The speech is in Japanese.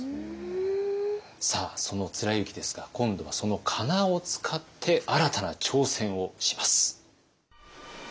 さあその貫之ですが今度はそのかなを使って新たな挑戦をします。